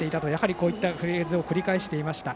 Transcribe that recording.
こういったフレーズを繰り返していました。